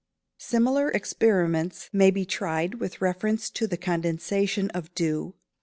Similar experiments may be tried with reference to the condensation of dew, &c.